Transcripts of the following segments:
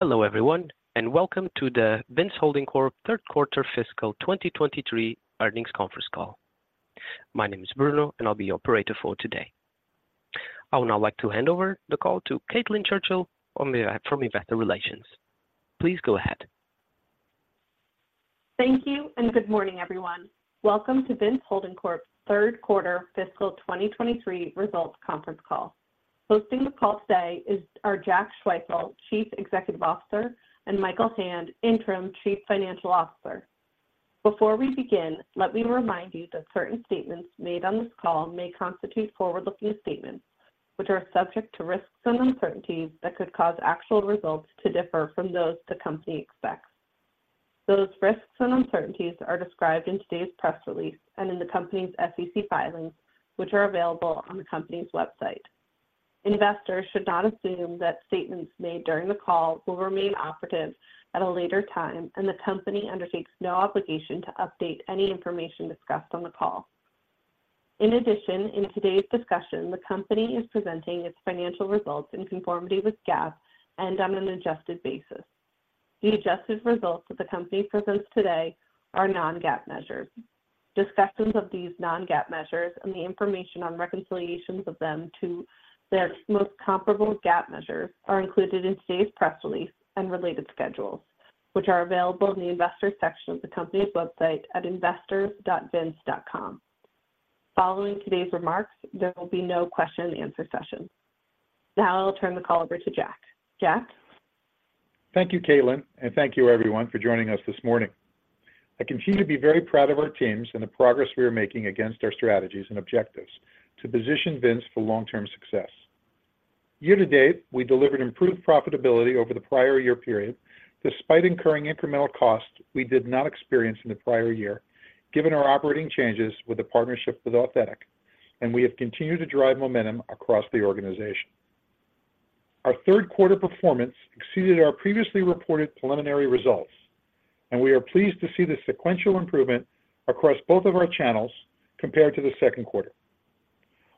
Hello everyone, and welcome to the Vince Holding Corp. third quarter fiscal 2023 earnings conference call. My name is Bruno, and I'll be your operator for today. I would now like to hand over the call to Caitlin Churchill from Investor Relations. Please go ahead. Thank you, and good morning, everyone. Welcome to Vince Holding Corp.'s third quarter fiscal 2023 results conference call. Hosting the call today is our Jack Schwefel, Chief Executive Officer, and Michael Hand, Interim Chief Financial Officer. Before we begin, let me remind you that certain statements made on this call may constitute forward-looking statements, which are subject to risks and uncertainties that could cause actual results to differ from those the company expects. Those risks and uncertainties are described in today's press release and in the company's SEC filings, which are available on the company's website. Investors should not assume that statements made during the call will remain operative at a later time, and the company undertakes no obligation to update any information discussed on the call. In addition, in today's discussion, the company is presenting its financial results in conformity with GAAP and on an adjusted basis. The adjusted results that the company presents today are non-GAAP measures. Discussions of these non-GAAP measures and the information on reconciliations of them to their most comparable GAAP measures are included in today's press release and related schedules, which are available in the Investors section of the company's website at investors.vince.com. Following today's remarks, there will be no question and answer session. Now I'll turn the call over to Jack. Jack? Thank you, Caitlin, and thank you everyone for joining us this morning. I continue to be very proud of our teams and the progress we are making against our strategies and objectives to position Vince for long-term success. Year to date, we delivered improved profitability over the prior year period, despite incurring incremental costs we did not experience in the prior year, given our operating changes with the partnership with Authentic, and we have continued to drive momentum across the organization. Our third quarter performance exceeded our previously reported preliminary results, and we are pleased to see the sequential improvement across both of our channels compared to the second quarter.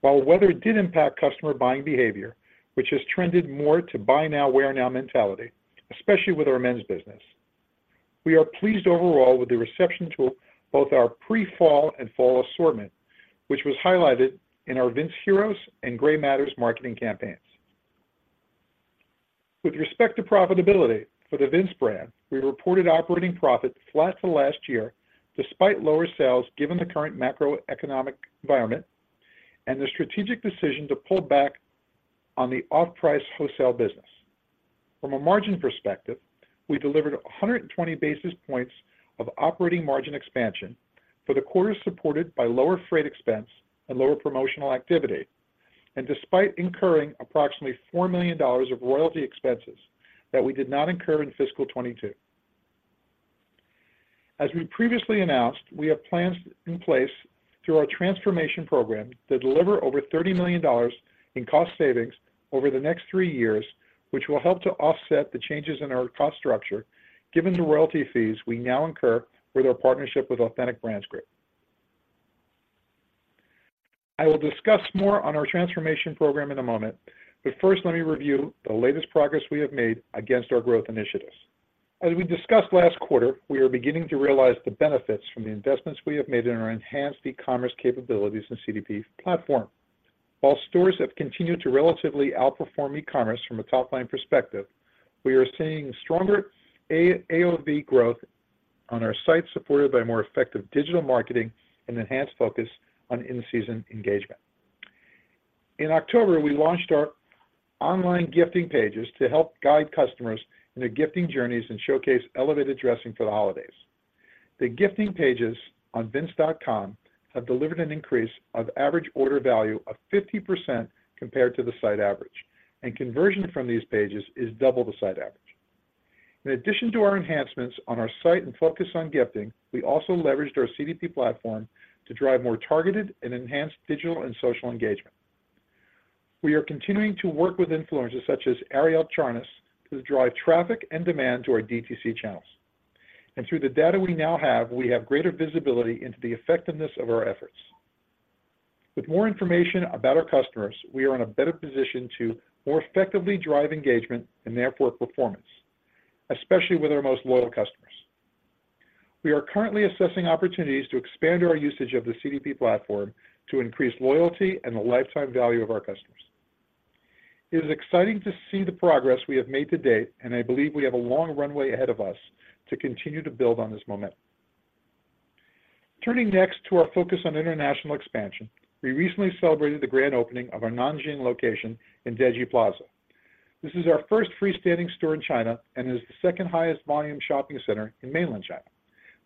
While weather did impact customer buying behavior, which has trended more to buy now, wear now mentality, especially with our men's business, we are pleased overall with the reception to both our pre-fall and fall assortment, which was highlighted in our Vince Heroes and Gray Matters marketing campaigns. With respect to profitability for the Vince brand, we reported operating profit flat to last year, despite lower sales, given the current macroeconomic environment and the strategic decision to pull back on the off-price wholesale business. From a margin perspective, we delivered 120 basis points of operating margin expansion for the quarter, supported by lower freight expense and lower promotional activity, and despite incurring approximately $4 million of royalty expenses that we did not incur in fiscal 2022. As we previously announced, we have plans in place through our transformation program to deliver over $30 million in cost savings over the next three years, which will help to offset the changes in our cost structure, given the royalty fees we now incur with our partnership with Authentic Brands Group. I will discuss more on our transformation program in a moment, but first, let me review the latest progress we have made against our growth initiatives. As we discussed last quarter, we are beginning to realize the benefits from the investments we have made in our enhanced e-commerce capabilities and CDP platform. While stores have continued to relatively outperform e-commerce from a top-line perspective, we are seeing stronger AOV growth on our site, supported by more effective digital marketing and enhanced focus on in-season engagement. In October, we launched our online gifting pages to help guide customers in their gifting journeys and showcase elevated dressing for the holidays. The gifting pages on vince.com have delivered an increase of average order value of 50% compared to the site average, and conversion from these pages is double the site average. In addition to our enhancements on our site and focus on gifting, we also leveraged our CDP platform to drive more targeted and enhanced digital and social engagement. We are continuing to work with influencers such as Arielle Charnas to drive traffic and demand to our DTC channels, and through the data we now have, we have greater visibility into the effectiveness of our efforts. With more information about our customers, we are in a better position to more effectively drive engagement and therefore performance, especially with our most loyal customers. We are currently assessing opportunities to expand our usage of the CDP platform to increase loyalty and the lifetime value of our customers. It is exciting to see the progress we have made to date, and I believe we have a long runway ahead of us to continue to build on this momentum. Turning next to our focus on international expansion, we recently celebrated the grand opening of our Nanjing location in Deji Plaza. This is our first freestanding store in China and is the second highest volume shopping center in mainland China.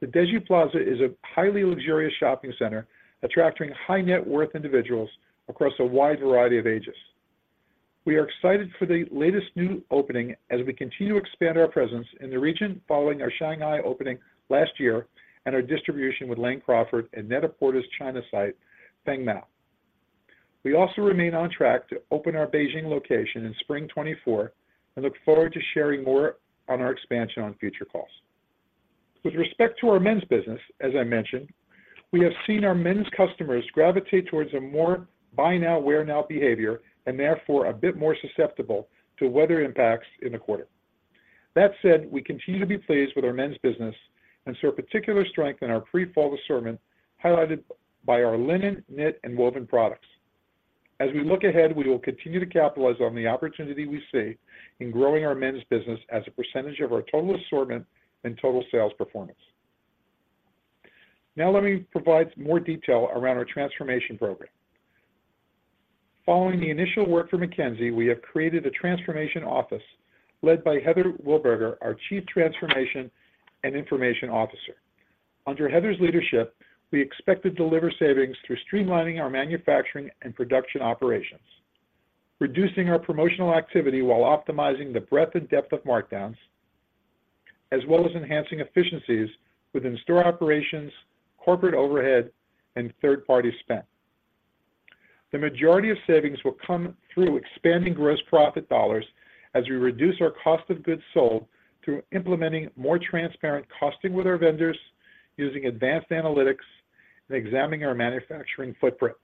The Deji Plaza is a highly luxurious shopping center, attracting high-net-worth individuals across a wide variety of ages. We are excited for the latest new opening as we continue to expand our presence in the region following our Shanghai opening last year and our distribution with Lane Crawford and Net-a-Porter's China site, Fengmao. We also remain on track to open our Beijing location in Spring 2024 and look forward to sharing more on our expansion on future calls. With respect to our men's business, as I mentioned, we have seen our men's customers gravitate towards a more buy now, wear now behavior, and therefore a bit more susceptible to weather impacts in the quarter. That said, we continue to be pleased with our men's business and saw a particular strength in our pre-fall assortment, highlighted by our linen, knit, and woven products. As we look ahead, we will continue to capitalize on the opportunity we see in growing our men's business as a percentage of our total assortment and total sales performance. Now, let me provide more detail around our transformation program. Following the initial work for McKinsey, we have created a transformation office led by Heather Wilberger, our Chief Transformation and Information Officer. Under Heather's leadership, we expect to deliver savings through streamlining our manufacturing and production operations, reducing our promotional activity while optimizing the breadth and depth of markdowns, as well as enhancing efficiencies within store operations, corporate overhead, and third-party spend. The majority of savings will come through expanding gross profit dollars as we reduce our cost of goods sold through implementing more transparent costing with our vendors, using advanced analytics, and examining our manufacturing footprint.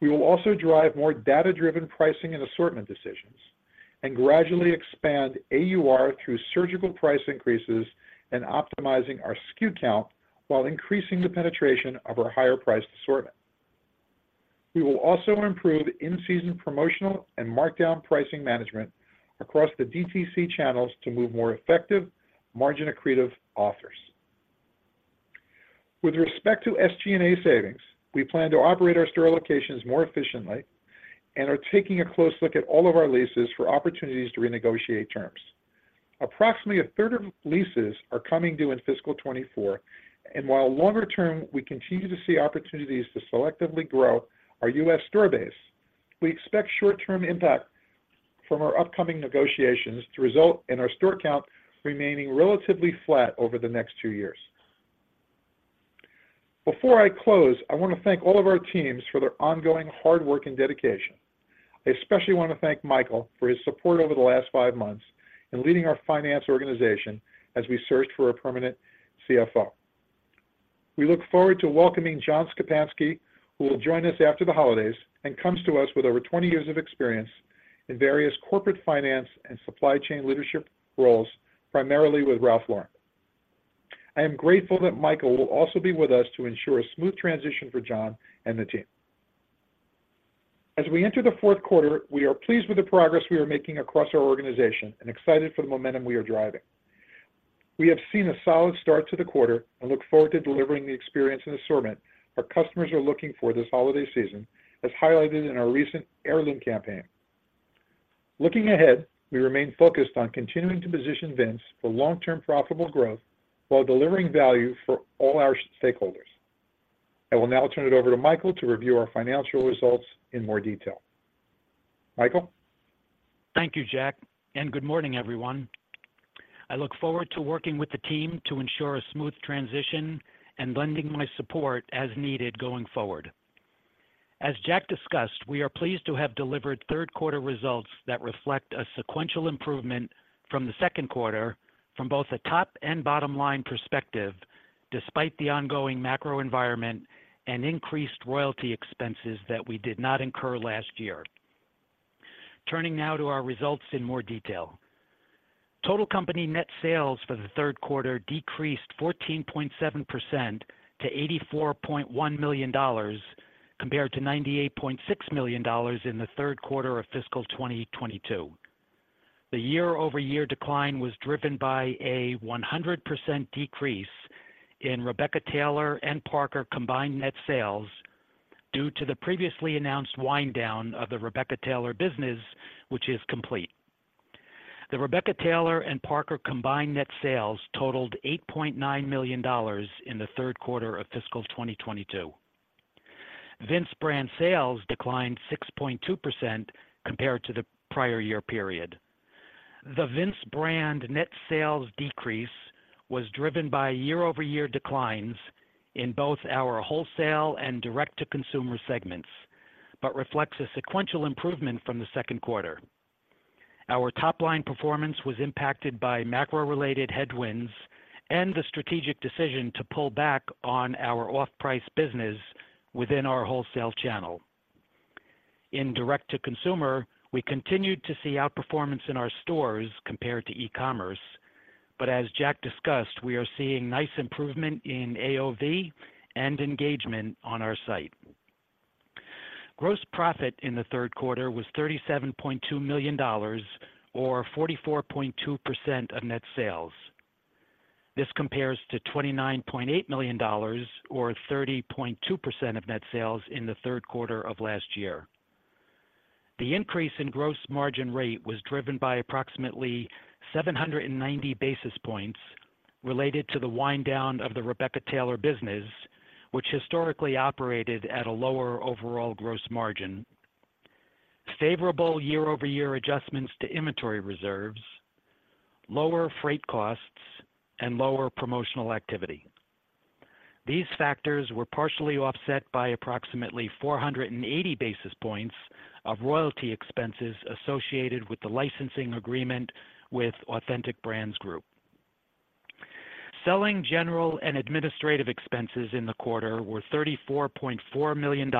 We will also drive more data-driven pricing and assortment decisions and gradually expand AUR through surgical price increases and optimizing our SKU count while increasing the penetration of our higher-priced assortment. We will also improve in-season promotional and markdown pricing management across the DTC channels to move more effective, margin-accretive offers. With respect to SG&A savings, we plan to operate our store locations more efficiently and are taking a close look at all of our leases for opportunities to renegotiate terms. Approximately a third of leases are coming due in fiscal 2024, and while longer term, we continue to see opportunities to selectively grow our U.S. store base. We expect short-term impact from our upcoming negotiations to result in our store count remaining relatively flat over the next two years. Before I close, I want to thank all of our teams for their ongoing hard work and dedication. I especially want to thank Michael for his support over the last five months in leading our finance organization as we searched for a permanent CFO. We look forward to welcoming John Szczepanski, who will join us after the holidays and comes to us with over 20 years of experience in various corporate finance and supply chain leadership roles, primarily with Ralph Lauren. I am grateful that Michael will also be with us to ensure a smooth transition for John and the team. As we enter the fourth quarter, we are pleased with the progress we are making across our organization and excited for the momentum we are driving. We have seen a solid start to the quarter and look forward to delivering the experience and assortment our customers are looking for this holiday season, as highlighted in our recent Heirloom campaign. Looking ahead, we remain focused on continuing to position Vince for long-term profitable growth while delivering value for all our stakeholders. I will now turn it over to Michael to review our financial results in more detail. Michael? Thank you, Jack, and good morning, everyone. I look forward to working with the team to ensure a smooth transition and lending my support as needed going forward. As Jack discussed, we are pleased to have delivered third-quarter results that reflect a sequential improvement from the second quarter from both a top and bottom line perspective, despite the ongoing macro environment and increased royalty expenses that we did not incur last year. Turning now to our results in more detail. Total company net sales for the third quarter decreased 14.7% to $84.1 million, compared to $98.6 million in the third quarter of fiscal 2022. The year-over-year decline was driven by a 100% decrease in Rebecca Taylor and Parker combined net sales due to the previously announced wind down of the Rebecca Taylor business, which is complete. The Rebecca Taylor and Parker combined net sales totaled $8.9 million in the third quarter of fiscal 2022. Vince brand sales declined 6.2% compared to the prior year period. The Vince brand net sales decrease was driven by year-over-year declines in both our wholesale and direct-to-consumer segments, but reflects a sequential improvement from the second quarter. Our top-line performance was impacted by macro-related headwinds and the strategic decision to pull back on our off-price business within our wholesale channel. In direct-to-consumer, we continued to see outperformance in our stores compared to e-commerce, but as Jack discussed, we are seeing nice improvement in AOV and engagement on our site. Gross profit in the third quarter was $37.2 million or 44.2% of net sales. This compares to $29.8 million or 30.2% of net sales in the third quarter of last year. The increase in gross margin rate was driven by approximately 790 basis points related to the wind down of the Rebecca Taylor business, which historically operated at a lower overall gross margin, favorable year-over-year adjustments to inventory reserves, lower freight costs, and lower promotional activity... These factors were partially offset by approximately 480 basis points of royalty expenses associated with the licensing agreement with Authentic Brands Group. Selling general and administrative expenses in the quarter were $34.4 million,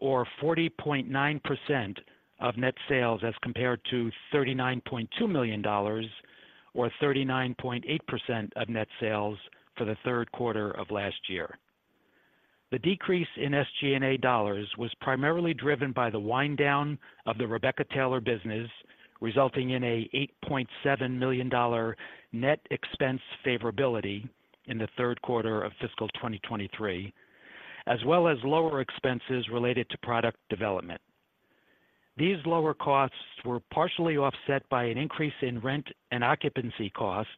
or 40.9% of net sales, as compared to $39.2 million, or 39.8% of net sales for the third quarter of last year. The decrease in SG&A dollars was primarily driven by the wind down of the Rebecca Taylor business, resulting in an $8.7 million net expense favorability in the third quarter of fiscal 2023, as well as lower expenses related to product development. These lower costs were partially offset by an increase in rent and occupancy costs,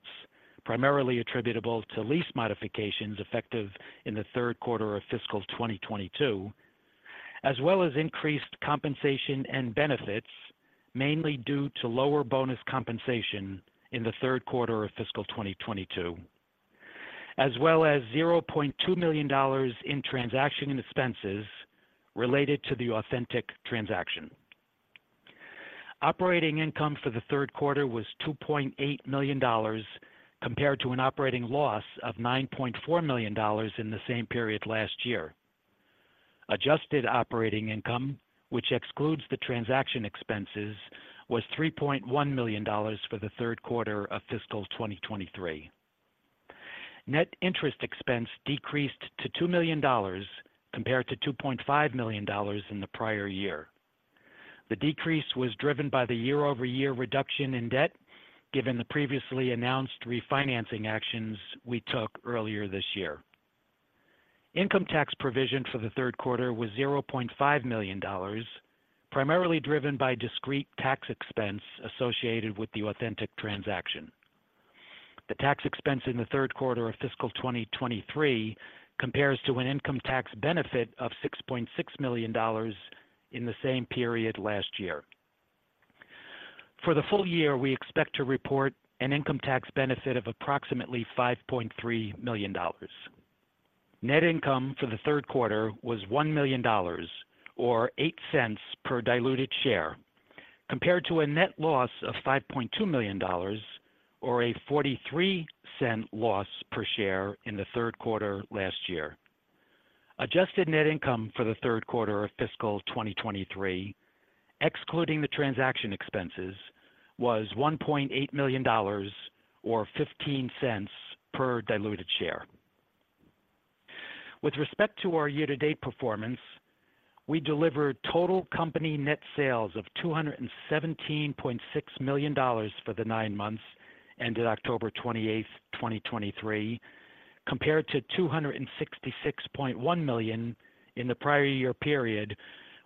primarily attributable to lease modifications effective in the third quarter of fiscal 2022, as well as increased compensation and benefits, mainly due to lower bonus compensation in the third quarter of fiscal 2022, as well as $0.2 million in transaction expenses related to the Authentic transaction. Operating income for the third quarter was $2.8 million, compared to an operating loss of $9.4 million in the same period last year. Adjusted operating income, which excludes the transaction expenses, was $3.1 million for the third quarter of fiscal 2023. Net interest expense decreased to $2 million compared to $2.5 million in the prior year. The decrease was driven by the year-over-year reduction in debt given the previously announced refinancing actions we took earlier this year. Income tax provision for the third quarter was $0.5 million, primarily driven by discrete tax expense associated with the Authentic transaction. The tax expense in the third quarter of fiscal 2023 compares to an income tax benefit of $6.6 million in the same period last year. For the full year, we expect to report an income tax benefit of approximately $5.3 million. Net income for the third quarter was $1 million, or $0.08 per diluted share, compared to a net loss of $5.2 million, or a $0.43 loss per share in the third quarter last year. Adjusted net income for the third quarter of fiscal 2023, excluding the transaction expenses, was $1.8 million or $0.15 per diluted share. With respect to our year-to-date performance, we delivered total company net sales of $217.6 million for the nine months ended October 28, 2023, compared to $266.1 million in the prior year period,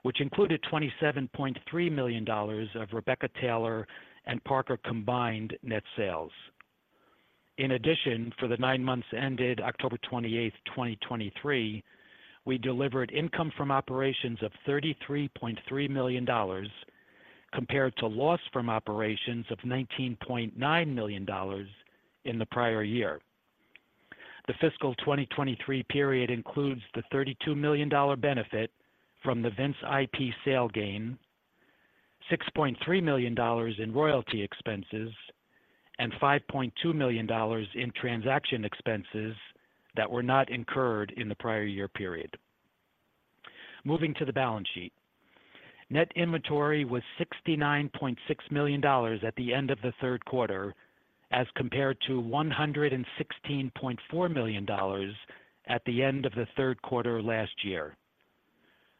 which included $27.3 million of Rebecca Taylor and Parker combined net sales. In addition, for the 9 months ended October 28, 2023, we delivered income from operations of $33.3 million, compared to loss from operations of $19.9 million in the prior year. The fiscal 2023 period includes the $32 million benefit from the Vince IP sale gain, $6.3 million in royalty expenses, and $5.2 million in transaction expenses that were not incurred in the prior year period. Moving to the balance sheet. Net inventory was $69.6 million at the end of the third quarter, as compared to $116.4 million at the end of the third quarter last year.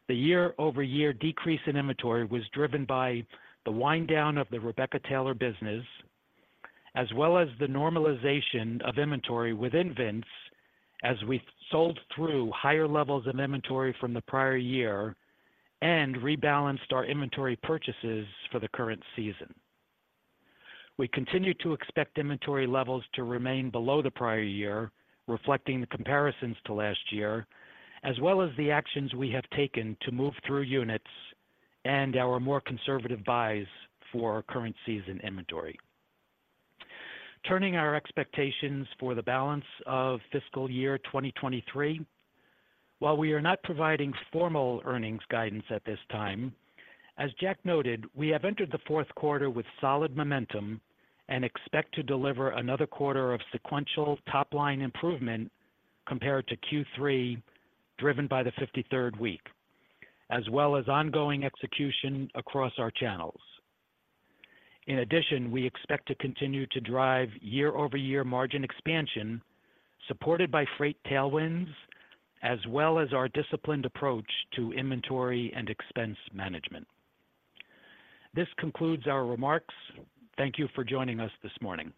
The year-over-year decrease in inventory was driven by the wind down of the Rebecca Taylor business, as well as the normalization of inventory within Vince as we sold through higher levels of inventory from the prior year and rebalanced our inventory purchases for the current season. We continue to expect inventory levels to remain below the prior year, reflecting the comparisons to last year, as well as the actions we have taken to move through units and our more conservative buys for current season inventory. Turning our expectations for the balance of fiscal year 2023. While we are not providing formal earnings guidance at this time, as Jack noted, we have entered the fourth quarter with solid momentum and expect to deliver another quarter of sequential top-line improvement compared to Q3, driven by the 53rd week, as well as ongoing execution across our channels. In addition, we expect to continue to drive year-over-year margin expansion, supported by freight tailwinds, as well as our disciplined approach to inventory and expense management. This concludes our remarks. Thank you for joining us this morning.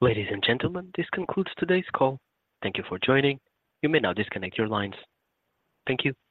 Ladies and gentlemen, this concludes today's call. Thank you for joining. You may now disconnect your lines. Thank you.